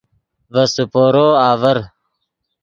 ڤے سیپورو آڤر